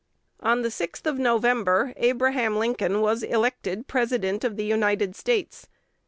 On the 6th of November, Abraham Lincoln was elected President of the United States.